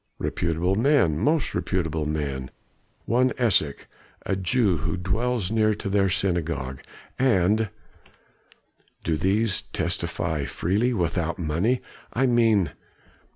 "Reputable men most reputable men. One Esek, a Jew, who dwells near to their synagogue, and " "Do these testify freely? without money, I mean?"